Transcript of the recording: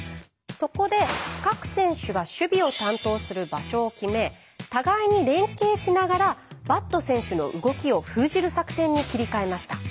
そこで各選手が守備を担当する場所を決め互いに連携しながらバット選手の動きを封じる作戦に切り替えました。